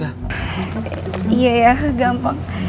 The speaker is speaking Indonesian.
iya ya gampang